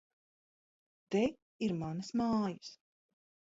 Te ir manas mājas!